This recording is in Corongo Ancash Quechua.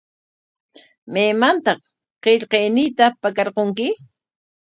¿Maymantaq qillqayniita pakarqurki?